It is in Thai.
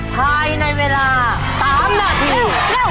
ภายในเวลา๓นาที